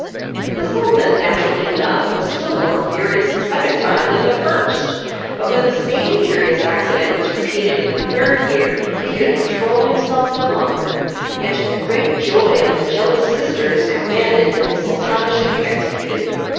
The Sultan, naturally enough, was still more furious the second time than the first, but when the same curious accident was repeated in the third year he could control himself no longer, and, to the great joy of the jealous sisters, commanded that the Sultana should be executed.